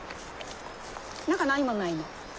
中何もないの。